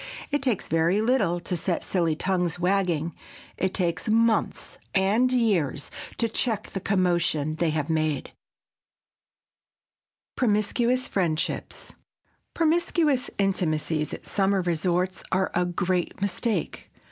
It takes very little to set silly tongues wagging; it takes months and years to check the commotion they have made. [Sidenote: PROMISCUOUS FRIENDSHIPS] Promiscuous intimacies at summer resorts are a great mistake.